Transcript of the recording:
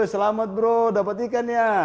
selamat bro dapat ikan ya